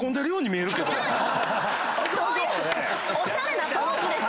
おしゃれなポーズです！